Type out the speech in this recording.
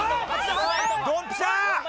こい！ドンピシャ！